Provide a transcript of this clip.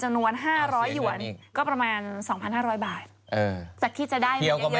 เจ็บไม่เยอะคิดเป็นค่ะ